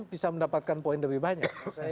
bisa mendapatkan poin lebih banyak